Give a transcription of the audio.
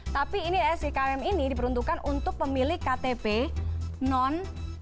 tapi ini sikm ini diperuntukkan untuk pemilik ktp non